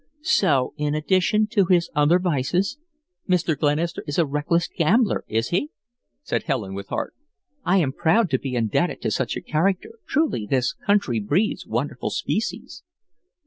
"So, in addition to his other vices, Mr. Glenister is a reckless gambler, is he?" said Helen, with heat. "I am proud to be indebted to such a character. Truly this country breeds wonderful species."